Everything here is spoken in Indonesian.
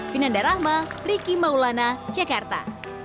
vinanda rahma riki maulana jakarta